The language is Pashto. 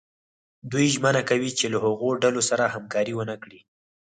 دوی ژمنه کوي چې له هغو ډلو سره همکاري ونه کړي.